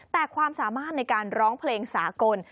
แต่ความสามารถในการร้องเพลงสากล